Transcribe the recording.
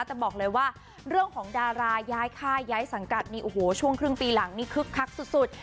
แต่บอกเลยว่าเรื่องของดาราย้ายค่าย้ายสังกัดนี่โอ้โหช่วงครึ่งปีหลังนี้คึกคักสุด